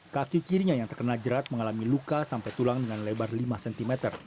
kaki kirinya yang terkena jerat mengalami luka sampai tulang dengan lebar lima cm